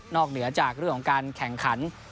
นอกเหนือจากการแข่งขัน